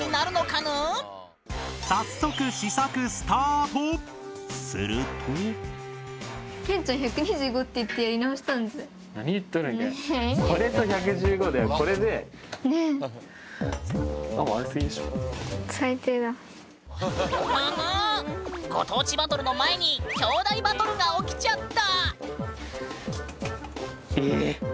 ぬぬご当地バトルの前にきょうだいバトルが起きちゃった！